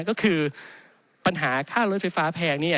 ก็คือปัญหาค่าร้อยไฟฟ้าแพงเนี่ย